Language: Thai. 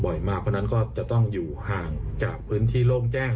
มากเพราะฉะนั้นก็จะต้องอยู่ห่างจากพื้นที่โล่งแจ้ง